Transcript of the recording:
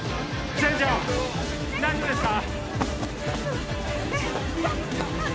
船長大丈夫ですか？